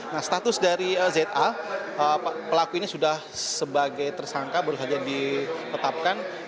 nah status dari za pelaku ini sudah sebagai tersangka baru saja ditetapkan